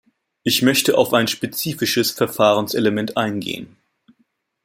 Ich möchte auf ein spezifisches Verfahrenselement eingehen.